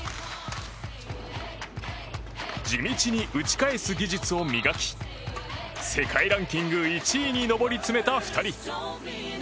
地道に打ち返す技術を磨き世界ランキング１位に上り詰めた２人。